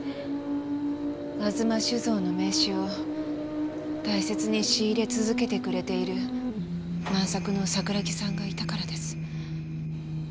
吾妻酒造の銘酒を大切に仕入れ続けてくれている万さくの桜木さんがいたからです。